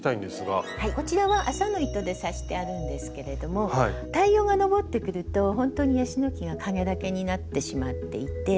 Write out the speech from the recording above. こちらは麻の糸で刺してあるんですけれども太陽が昇ってくるとほんとにヤシの木が影だけになってしまっていて。